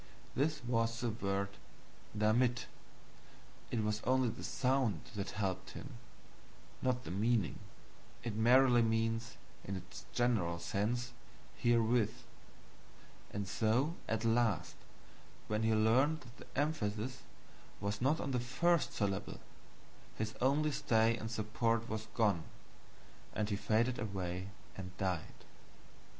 This was the word DAMIT. It was only the SOUND that helped him, not the meaning; and so, at last, when he learned that the emphasis was not on the first syllable, his only stay and support was gone, and he faded away and died.